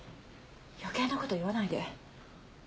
余計な事言わないで。